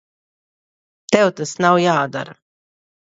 Tev tas nav jādara.